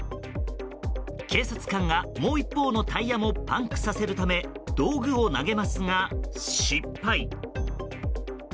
警察官が、もう一方のタイヤもパンクさせるため道具を投げますが、失敗。